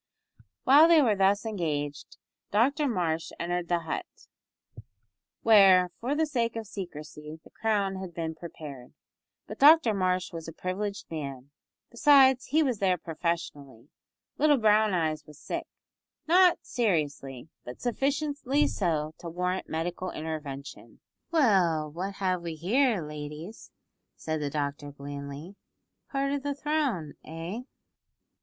While they were thus engaged Dr Marsh entered the hut, where, for the sake of secrecy, the crown had been prepared, but Dr Marsh was a privileged man, besides he was there professionally; little Brown eyes was sick not seriously, but sufficiently so to warrant medical intervention. "Well, what have we here, ladies?" said the doctor blandly, "part of the throne, eh?"